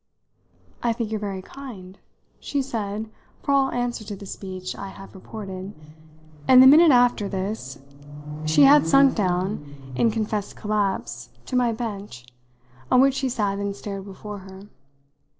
"I think you're very kind," she said for all answer to the speech I have reported, and the minute after this she had sunk down, in confessed collapse, to my bench, on which she sat and stared before her.